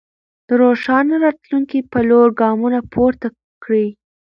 د روښانه راتلونکي په لور ګامونه پورته کړئ.